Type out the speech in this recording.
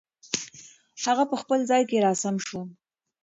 هغه په خپل ځای کې را سم شو.